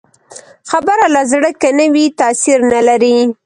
خبره له زړه که نه وي، تاثیر نه لري